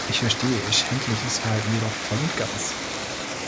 Ich verstehe ihr schändliches Verhalten jedoch voll und ganz.